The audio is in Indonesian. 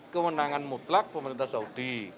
kemenangan mutlak pemerintah saudi